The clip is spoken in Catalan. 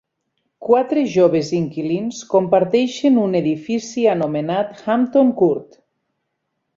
Quatre joves inquilins comparteixen un edifici anomenat "Hampton Court".